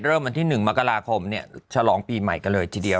เริ่มวันที่๑มกราคมเนี่ยฉลองปีใหม่กันเลยทีเดียว